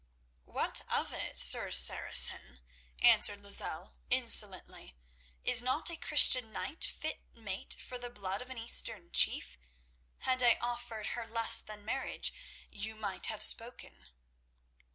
"What of it, Sir Saracen?" answered Lozelle, insolently. "Is not a Christian knight fit mate for the blood of an Eastern chief? Had I offered her less than marriage, you might have spoken."